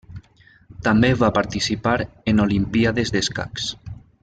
També va participar en Olimpíades d'escacs.